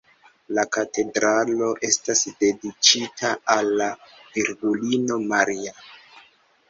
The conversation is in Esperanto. La katedralo estas dediĉita al la Virgulino Maria.